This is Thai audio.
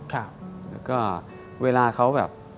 แล้วก็เวลาเขาแบบ